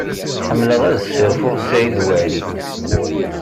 Ḥemmleɣ ad sserfuɣ Saɛid Waɛli.